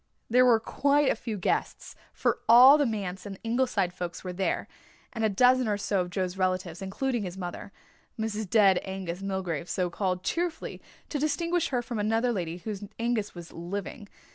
There were quite a few guests, for all the Manse and Ingleside folk were there, and a dozen or so of Joe's relatives, including his mother, "Mrs. Dead Angus Milgrave," so called, cheerfully, to distinguish her from another lady whose Angus was living.